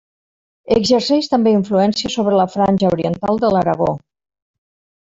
Exerceix també influència sobre la franja oriental de l'Aragó.